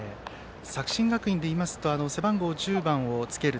作新学院でいいますと背番号１０番をつける